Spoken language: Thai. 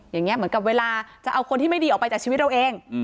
อย่างนี้เหมือนกับเวลาจะเอาคนที่ไม่ดีออกไปจากชีวิตเราเอง